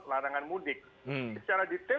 larangan mudik secara detail